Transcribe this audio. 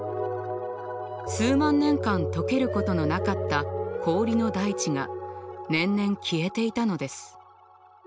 数万年間解けることのなかった氷の大地が年々消えていたのです。